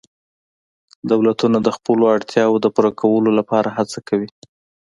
دولتونه د خپلو اړتیاوو د پوره کولو لپاره هڅه کوي